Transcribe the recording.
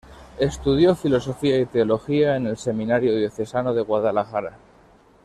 Estudió filosofía y teología en el Seminario Diocesano de Guadalajara.